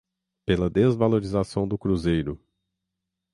pela desvalorização do cruzeiro